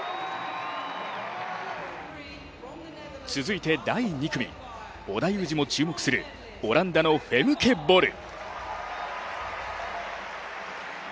続いて、第２組、織田裕二も注目するオランダのフェムケ・ボル。